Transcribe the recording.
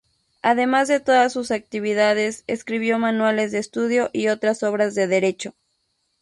Además de todas sus actividades, escribió manuales de estudio y otras obras de Derecho.